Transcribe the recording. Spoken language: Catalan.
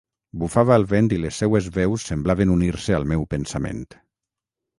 Bufava el vent i les seues veus semblaven unir-se al meu pensament.